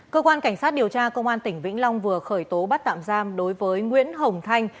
cơ quan cảnh sát điều tra công an tỉnh vĩnh long vừa khởi tố bắt tạm giam đối với nguyễn hồng thanh